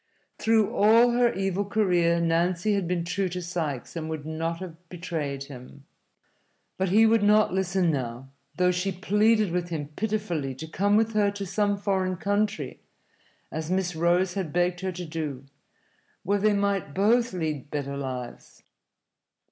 Through all her evil career Nancy had been true to Sikes and would not have betrayed him. But he would not listen now, though she pleaded with him pitifully to come with her to some foreign country (as Miss Rose had begged her to do), where they might both lead better lives.